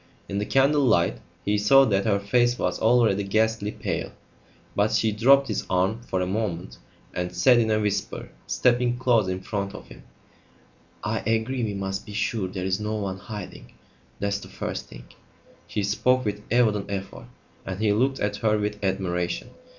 In the candle light he saw that her face was already ghastly pale; but she dropped his arm for a moment and said in a whisper, stepping close in front of him "I agree. We must be sure there's no one hiding. That's the first thing." She spoke with evident effort, and he looked at her with admiration.